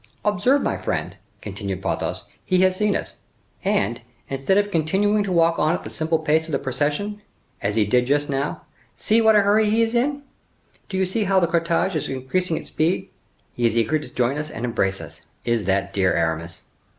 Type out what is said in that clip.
"Observe my friend," continued Porthos, "he has seen us; and, instead of continuing to walk on at the simple pace of the procession, as he did just now,—see, what a hurry he is in; do you see how the cortege is increasing its speed? He is eager to join us and embrace us, is that dear Aramis."